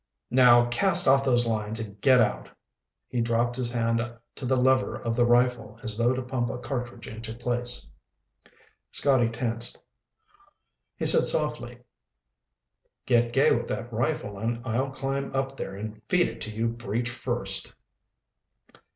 Now cast off those lines and get out." He dropped his hand to the lever of the rifle as though to pump a cartridge into place. Scotty tensed. He said softly, "Get gay with that rifle and I'll climb up there and feed it to you breech first."